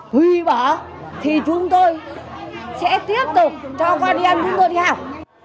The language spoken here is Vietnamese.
hủy bỏ thì chúng tôi sẽ tiếp tục cho con đi ăn chúng tôi đi học